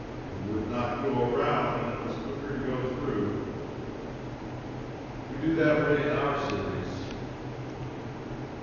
They would not go around when it was quicker to go through. We do that way in our cities.